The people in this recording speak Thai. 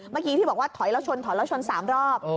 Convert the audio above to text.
เมื่อกี้ที่บอกว่าถอยแล้วชนถอยแล้วชน๓รอบ